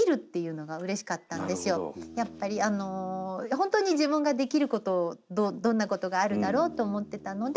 ほんとに自分ができることをどんなことがあるだろうと思ってたので。